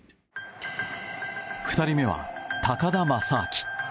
２人目は、高田昌明。